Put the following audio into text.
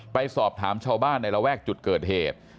ไปสอบถามชาวบ้านในระแวกจุดเกิดเหตุ